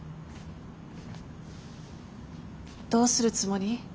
どうするつもり？